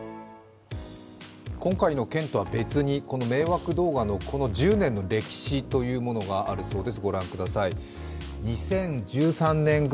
今回の件とは別に、迷惑動画のこの１０年の歴史というものがあるそうです。